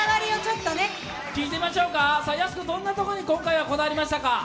やす子、どんなところに今回こだわりましたか？